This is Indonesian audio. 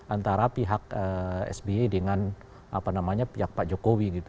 antara pihak sbi dengan apa namanya pihak pak jokowi gitu